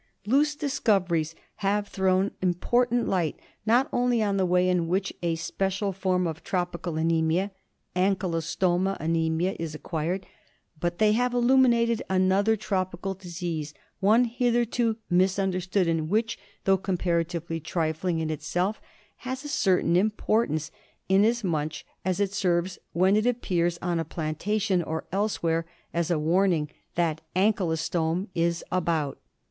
Loos's discoveries have thrown important light not only on the way in which a special form of tropical anaemia — ankylostoma anaemia — is acquired; but they have illuminated another tropical disease, one hitherto misunderstood, and which, though comparatively trifling in itself, has a certain importance, inasmuch as it serves, when it appears on a plantation or elsewhere, as a warning that the ankylostome is about.